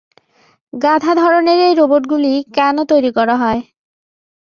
গাধা ধরনের এই রোবটগুলি কেন তৈরি করা হয়?